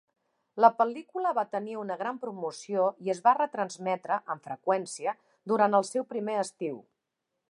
La pel·lícula va tenir una gran promoció i es va retransmetre amb freqüència durant el seu primer estiu.